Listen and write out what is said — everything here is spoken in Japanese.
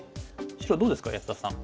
白どうですか安田さん。